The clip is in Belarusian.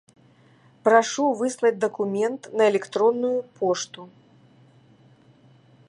Прашу выслаць дакумент на электронную пошту.